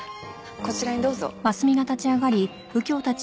こちらにどうぞ。